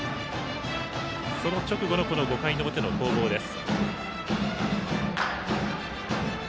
その直後のこの５回の表の攻防です。